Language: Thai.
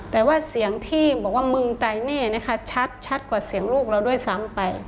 แต่ว่าเสียงที่บอกว่ามึงตายแน่นะคะชัดกว่าเสียงลูกเราด้วยซ้ำไป